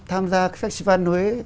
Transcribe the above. tham gia cái festival huế